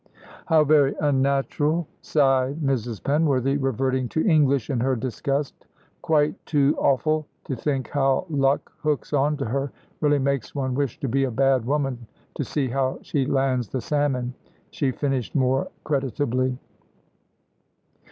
"How very unnatural!" sighed Mrs. Penworthy, reverting to English in her disgust. "Quite too awf'l to think how luck hooks on to her. Really makes one wish to be a bad woman, to see how she lands the salmon," she finished more creditably.